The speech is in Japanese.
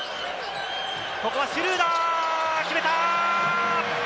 ここはシュルーダー、決めた！